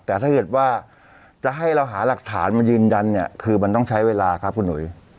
แต่ถ้าเกิดว่าจะให้เราหาหลักฐานมายืนยันเนี่ยคือมันต้องใช้เวลาครับคุณหุย